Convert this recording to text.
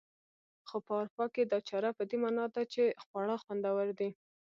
خو په اروپا کې دا چاره په دې مانا ده چې خواړه خوندور دي.